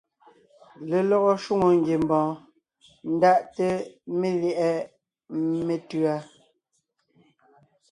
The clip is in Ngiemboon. Lelɔgɔ shwòŋo ngiembɔɔn ndaʼte melyɛ̌ʼɛ metʉ̌a.